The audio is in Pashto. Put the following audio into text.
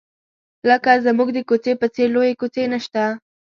لکه زموږ د کوڅې په څېر لویې کوڅې نشته.